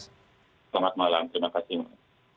selamat malam terima kasih mas